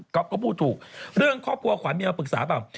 ก็พูดถูกเรื่องครอบครัวขวัญเมียมาปรึกษาเปล่า